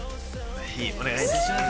お願いいたします